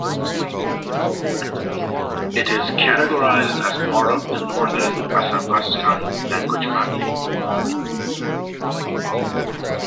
It is categorized as part of the Northern Athabaskan language family.